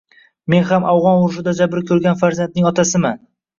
Men ham Afgʻon urushida jabr koʻrgan farzandning otasiman.